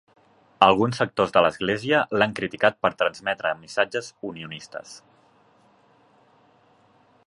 Alguns sectors de l'Església l'han criticat per transmetre missatges unionistes.